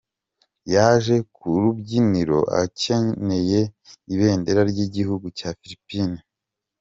Yaje ku rubyiniro akenyeye ibendera ry’igihugu cya Philippines.